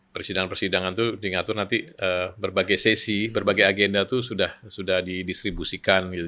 persidangan persidangan itu diatur nanti berbagai sesi berbagai agenda itu sudah didistribusikan gitu